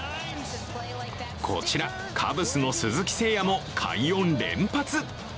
こちら、カブスの鈴木誠也も快音連発。